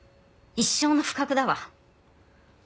一生の不覚だわ。